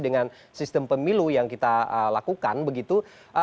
dengan sistem pemilu yang kita lakukan begitu